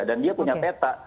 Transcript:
dan dia punya peta